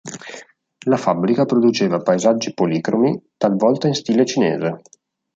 La fabbrica produceva paesaggi policromi talvolta in stile "cinese".